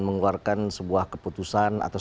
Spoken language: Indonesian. mengeluarkan sebuah keputusan atau